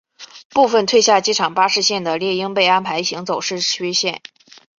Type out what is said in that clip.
部份退下机场巴士线的猎鹰被安排行走市区线。